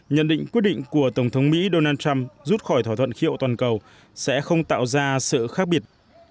nhận định quyết định của tổng thống mỹ donald trump rút khỏi thỏa thuận khí hậu toàn cầu sẽ không tạo ra sự khác biệt